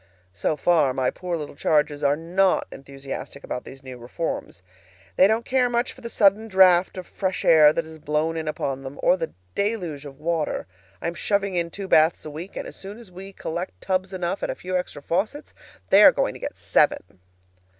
So far, my poor little charges are not enthusiastic about these new reforms. They don't care much for the sudden draft of fresh air that has blown in upon them, or the deluge of water. I am shoving in two baths a week, and as soon as we collect tubs enough and a few extra faucets, they are going to get SEVEN.